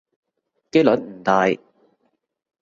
機率唔大